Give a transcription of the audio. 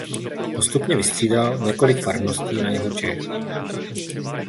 Postupně vystřídal několik farností na jihu Čech.